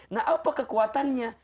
nah apa kekuatannya